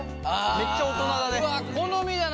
めっちゃ大人だね。